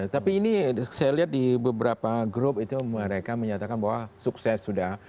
tapi ini saya lihat di beberapa grup itu mereka menyatakan bahwa sukses sudah